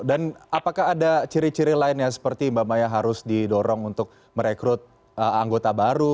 dan apakah ada ciri ciri lainnya seperti mbak maya harus didorong untuk merekrut anggota baru